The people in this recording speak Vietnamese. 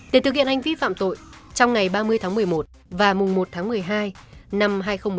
để thực hiện hành vi phạm tội trong ngày ba mươi tháng một mươi một và mùng một tháng một mươi hai năm hai nghìn một mươi chín